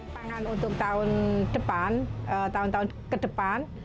pangan untuk tahun depan tahun tahun ke depan